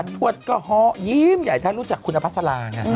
ทวดก็ฮอยิ้มใหญ่ท่านรู้จักคุณอภัทรศรา